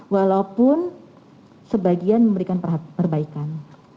walaupun sebagian memberikan perbaikan